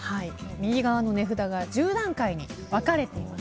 右側の値札が１０段階に分かれています。